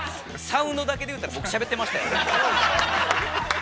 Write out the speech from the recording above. サウンドだけで言ったら、僕、しゃべってましたね。